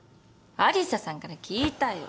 有沙さんから聞いたよ。